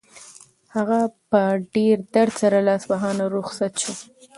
هغه په ډېر درد سره له اصفهانه رخصت شو.